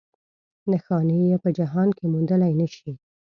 نښانې یې په جهان کې موندلی نه شي.